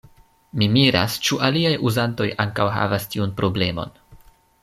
Mi miras, ĉu aliaj Uzantoj ankaŭ havas tiun Problemon.